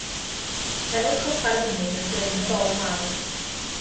Enw copa'r mynydd yw Bryn y Bol Mawr.